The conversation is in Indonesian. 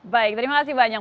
baik terima kasih banyak